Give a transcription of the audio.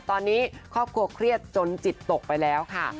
ตอนนี้ครอบครัวเครียดจนจิตตกไปแล้วค่ะ